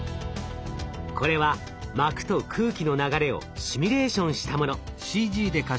これは膜と空気の流れをシミュレーションしたもの。